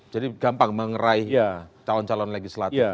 jadi gampang mengerai calon calon legislatif